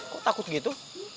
kok takut gitu